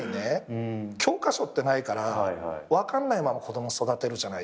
教科書ってないから分かんないまま子供育てるじゃないですか。